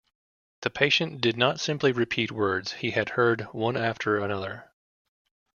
The patient did not simply repeat words he had heard one after another.